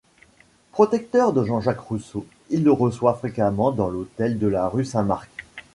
Protecteur de Jean-Jacques Rousseau, il le reçoit fréquemment dans l'hôtel de la rue Saint-Marc.